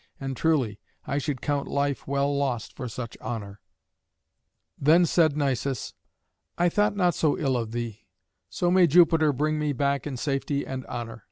And truly I should count life well lost for such honour." Then said Nisus: "I thought not so ill of thee. So may Jupiter bring me back in safety and honour.